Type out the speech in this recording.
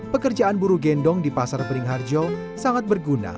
pekerjaan buru gendong di pasar beringharjo sangat berguna